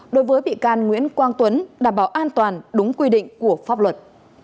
đối với bị can nguyễn quang tuấn đảm bảo an toàn đúng quy định của pháp luật